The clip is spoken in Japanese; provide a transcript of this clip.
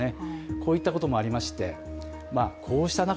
こういったこともありまして、こうした中